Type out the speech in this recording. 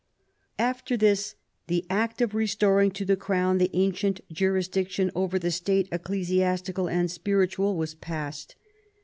After this the Act for Restoring to the Crown the Ancient Jurisdiction over the State ecclesiastical and spiritual," was passed.